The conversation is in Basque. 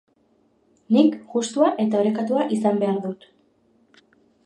Nik justua eta orekatua izan behar dut.